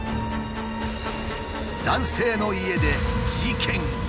男性の家で事件が。